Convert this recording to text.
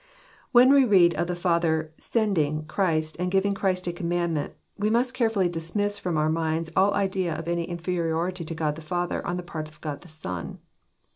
When we read of the Father "sending" Christ, and giving Christ a "commandment," we must carefully dismiss from our minds all idea of any inferiority to God the Father on the part of God the Son.